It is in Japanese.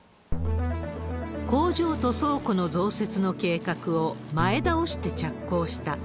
工場と倉庫の増設の計画を前倒して着工した。